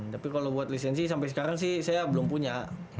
tapi kalau buat lisensi sampai sekarang sih saya belum punya